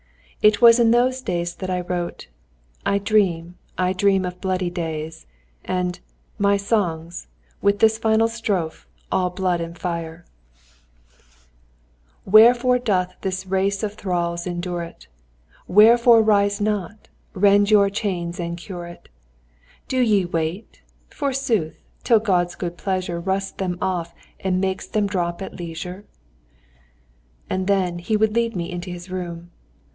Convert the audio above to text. It was in those days that he wrote "I dream, I dream of bloody days," and "My Songs," with this final strophe, all blood and fire: "Wherefore doth this race of thralls endure it? Wherefore rise not? Rend your chains and cure it! Do ye wait, forsooth! till God's good pleasure Rusts them off, and makes them drop at leisure?" And then he would lead me into his room.